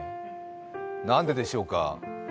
なんででしょうか。